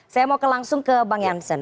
saya mau langsung ke bang jansen